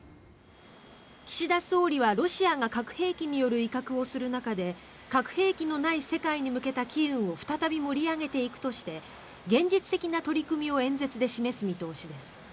岸田総理は、ロシアが核兵器による威嚇をする中で核兵器のない世界に向けた機運を再び盛り上げていくとして現実的な取り組みを演説で示す見通しです。